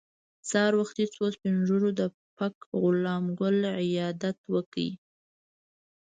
سهار وختي څو سپین ږیرو د پک غلام ګل عیادت وکړ.